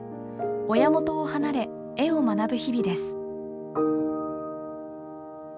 親元を離れ絵を学ぶ日々です。